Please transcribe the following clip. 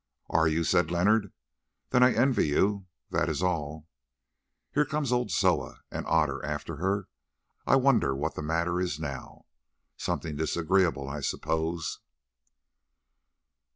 "Are you?" said Leonard, "then I envy you, that is all. Here comes old Soa, and Otter after her. I wonder what is the matter now. Something disagreeable, I suppose."